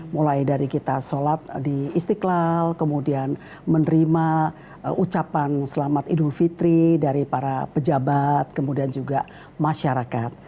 mulai dari kita sholat di istiqlal kemudian menerima ucapan selamat idul fitri dari para pejabat kemudian juga masyarakat